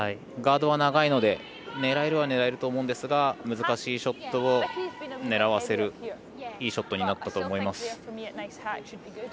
ガードは長いので狙えるは狙えると思うんですが難しいショットを狙わせるいいショットになったと思います。